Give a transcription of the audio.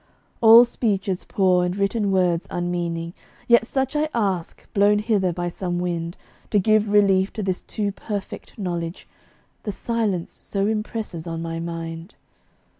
All speech is poor, and written words unmeaning; Yet such I ask, blown hither by some wind, To give relief to this too perfect knowledge, The Silence so impresses on my mind.